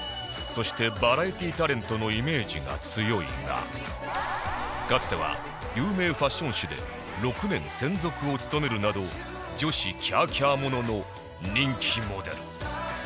そしてバラエティタレントのイメージが強いがかつては有名ファッション誌で６年専属を務めるなど女子キャーキャーものの人気モデル